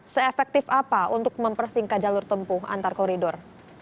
se efektif apa untuk mempersingkat jalur tempuh antar koridor